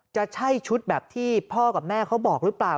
จะใช่ชุดแบบที่พ่อกับแม่เขาบอกหรือเปล่า